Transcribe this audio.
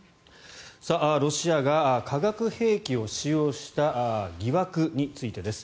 ロシアが化学兵器を使用した疑惑についてです。